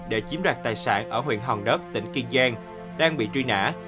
để chiếm đoạt tài sản ở huyện hòn đất tỉnh kiên giang đang bị truy nã